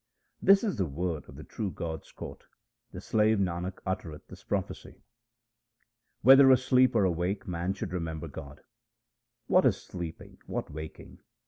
This is the word of the true God's court ; the slave Nanak uttereth this prophecy. Whether asleep or awake man should remember God :— What is sleeping ? what waking ?